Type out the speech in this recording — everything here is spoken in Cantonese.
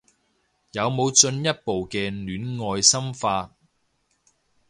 有冇啲進一步嘅戀愛心法